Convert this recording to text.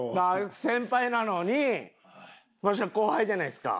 先輩なのにわしら後輩じゃないですか。